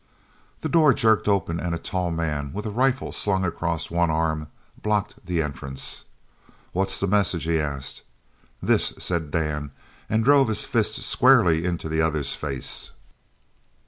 The door jerked open and a tall man, with a rifle slung across one arm, blocked the entrance. "What's the message?" he asked. "This!" said Dan, and drove his fist squarely into the other's face.